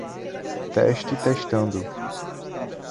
Teste testando